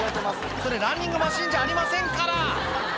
それランニングマシンじゃありませんから！